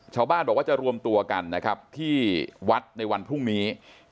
ชาวบ้านบอกว่าจะรวมตัวกันนะครับที่วัดในวันพรุ่งนี้